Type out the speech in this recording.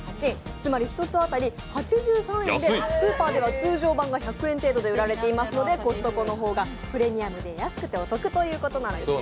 つまり、１つ当たり８３円で、スーパーでは通常版が１００円程度で売られているのでコストコの方がプレミアムで安くてお得ということなんですね。